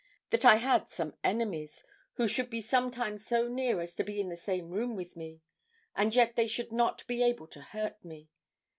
That I had some enemies, who should be sometimes so near as to be in the same room with me, and yet they should not be able to hurt me.